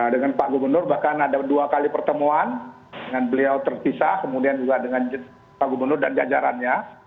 dengan pak gubernur bahkan ada dua kali pertemuan dengan beliau terpisah kemudian juga dengan pak gubernur dan jajarannya